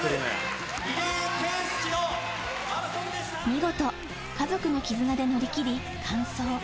見事、家族の絆で乗り切り、完走。